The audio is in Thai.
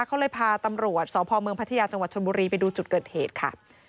เขาเลยพาตำรวจสพเมืองพัทยาจังหวัดชนบุรีไปดูจุดเกิดเหตุค่ะ